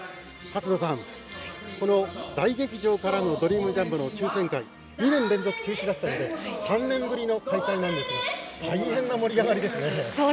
勝野さん、この大劇場からのドリームジャンボの抽せん会２年連続中止だったので３年ぶりの開催なんですが大変な盛り上がりですね。